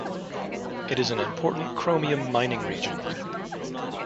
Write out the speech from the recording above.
It is an important chromium mining region.